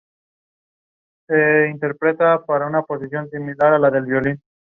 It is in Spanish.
Dicha propuesta, sin embargo, no ha sido aceptada por la Fundación Wikimedia.